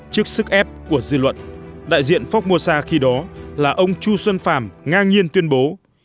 trước sức ép của dư luận đại diện phóc mô sa khi đó là ông chu xuân phạm ngang nhiên tuyên bố